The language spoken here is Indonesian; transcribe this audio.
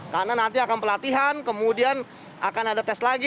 karena nanti akan pelatihan kemudian akan ada tes lagi